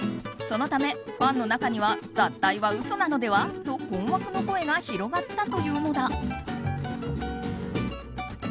そのため、ファンの中には脱退は嘘なのでは？と困惑の声が広がったというのだ。